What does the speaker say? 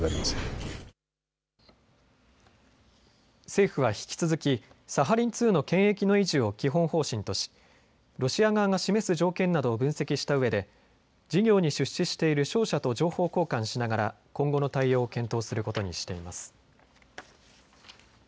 政府は引き続きサハリン２の権益の維持を基本方針としロシア側が示す条件などを分析したうえで事業に出資している商社と情報交換しながら今後の対応を検討することにしています。